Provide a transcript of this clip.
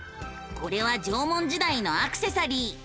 これは縄文時代のアクセサリー。